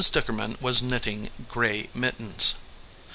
Dickerman was knitting gray mittens.